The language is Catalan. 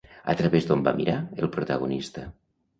A través d'on va mirar, el protagonista?